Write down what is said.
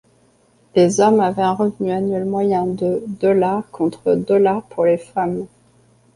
Les hommes avaient un revenu annuel moyen de $ contre $ pour les femmes.